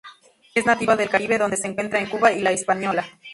Es nativa del Caribe donde se encuentra en Cuba y la Hispaniola.